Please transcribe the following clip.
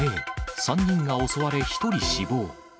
３人が襲われ１人死亡。